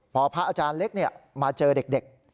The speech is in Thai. พอพระอาจารย์เล็กมาเจอเด็ก